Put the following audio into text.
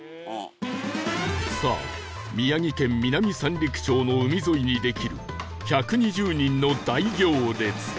さあ宮城県南三陸町の海沿いにできる１２０人の大行列